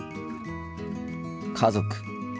家族。